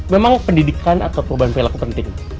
memang pendidikan atau perubahan perilaku penting